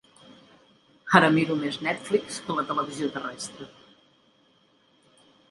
Ara miro més Netflix que la televisió terrestre.